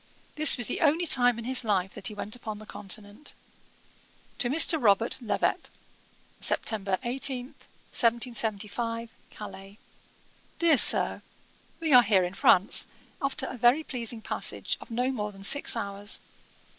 This was the only time in his life that he went upon the Continent. 'To MR. ROBERT LEVET. 'Sept. 18, 1775. Calais. 'DEAR SIR, 'We are here in France, after a very pleasing passage of no more than six hours.